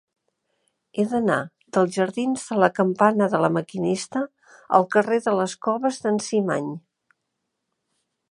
He d'anar dels jardins de la Campana de La Maquinista al carrer de les Coves d'en Cimany.